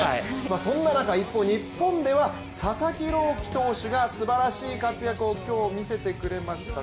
そんな中、一方、日本では佐々木朗希投手がすばらしい活躍を今日、見せてくれました。